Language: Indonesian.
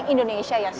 yang indonesia ya chef